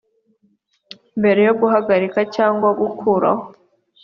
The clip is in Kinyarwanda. mbere yo guhagarika cyangwa gukuraho